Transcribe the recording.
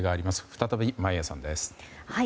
再び眞家さんです。